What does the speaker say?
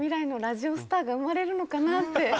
が生まれるのかなって。